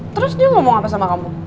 terus dia ngomong apa sama kamu